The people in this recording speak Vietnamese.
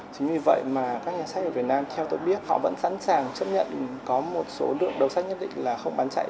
chính vì vậy mà các nhà sách ở việt nam theo tôi biết họ vẫn sẵn sàng chấp nhận có một số lượng đầu sách nhất định là không bán chạy